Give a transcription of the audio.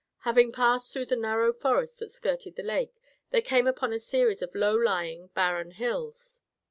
Having passed through the narrow forest that skirted the lake, they came upon a series of low lying, barren hills.